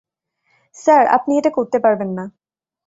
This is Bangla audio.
স্যার, আপনি এটা করতে পারবেন না।